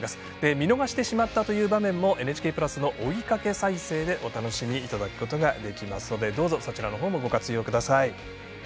見逃してしまったという場面もＮＨＫプラスの追いかけ再生でお楽しみいただくことができますのでどうぞそちらの方もご活用ください。